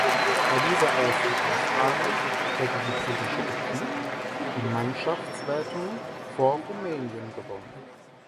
Bei dieser ersten Austragung hätte die britische Equipe die Mannschaftswertung vor Rumänien gewonnen.